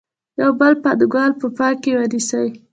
یو بل پانګوال په پام کې ونیسئ